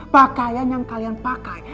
pakaian yang kalian pakai